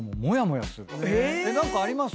何かあります？